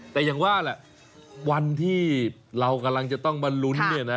แต่อย่างว่าวันที่เรากำลังจะต้องมาลุ้น